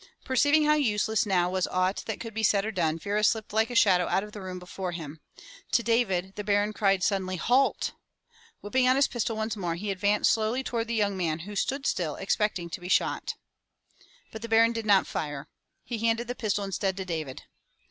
Perceiving how useless now was aught that could be said or done, Vera slipped like a shadow out of the room before him. To David the Baron cried suddenly, "Halt!" Whipping out his pistol once more, 209 MY BOOK HOUSE he advanced slowly toward the young man who stood still, expect ing to be shot. But the Baron did not fire. He handed the pistol instead to David.